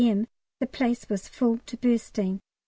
M. the place was full to bursting.